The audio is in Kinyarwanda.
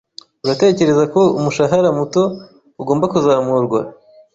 Uratekereza ko umushahara muto ugomba kuzamurwa?